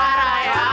jangan pake cut